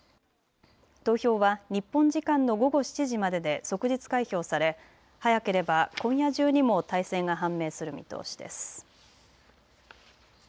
投票は日本時間の午後７時までで即日開票され早ければ今夜中にも大勢が判明する見通しです。